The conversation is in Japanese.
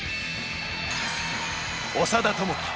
長田智希。